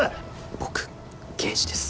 僕刑事です。